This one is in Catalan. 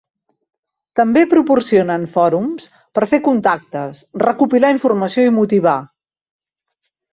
També proporcionen fòrums per fer contactes, recopilar informació i motivar.